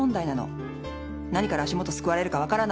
何から足元すくわれるか分からないの。